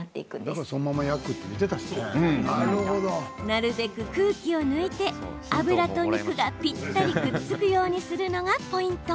なるべく空気を抜いて油と肉がぴったりくっつくようにするのがポイント。